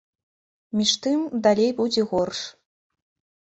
Між тым, далей будзе горш.